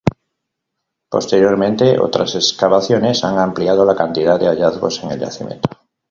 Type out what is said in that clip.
Posteriormente, otras excavaciones han ampliado la cantidad de hallazgos en el yacimiento.